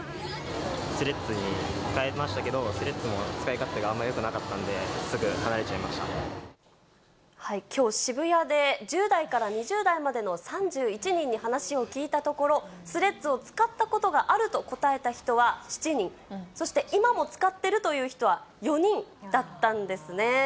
スレッズに変えましたけど、スレッズの使い勝手があんまりよくなかったんで、すぐ離れちゃいきょう、渋谷で１０代から２０代までの３１人に話を聞いたところ、スレッズを使ったことがあると答えた人は７人、そして今も使ってるという人は４人だったんですね。